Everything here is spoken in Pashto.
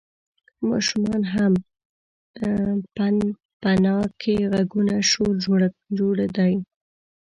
ماشومان هم پنپنانکي غږوي، شور جوړ دی.